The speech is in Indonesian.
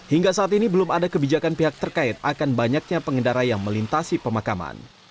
hingga saat ini belum ada kebijakan pihak terkait akan banyaknya pengendara yang melintasi pemakaman